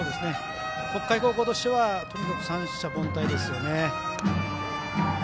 北海高校としてはとにかく三者凡退ですよね。